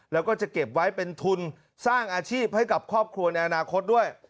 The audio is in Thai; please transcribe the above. แล้วก็จะเก็บไว้เป็นทุนสร้างอาชีพให้กับครอบครัวในอนาคตด้วย